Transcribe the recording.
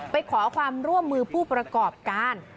ไปขอความร่วมมือผู้ประกอบการ